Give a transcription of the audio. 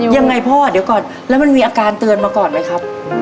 ยังไงพ่อเดี๋ยวก่อนแล้วมันมีอาการเตือนมาก่อนไหมครับ